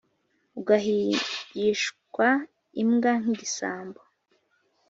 Ugahigishwa imbwa nk’igisambo,